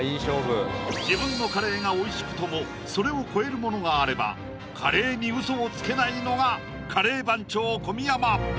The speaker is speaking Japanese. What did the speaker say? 自分のカレーが美味しくともそれを超えるものがあればカレーに嘘をつけないのがカレー番長・小宮山